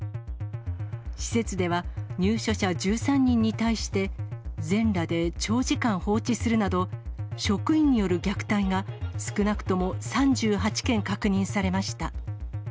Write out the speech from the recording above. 施設では、入所者１３人に対して、全裸で長時間放置するなど、職員による虐待が少なくとも３８件確認されました。